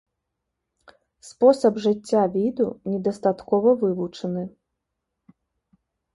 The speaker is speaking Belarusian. Спосаб жыцця віду недастаткова вывучаны.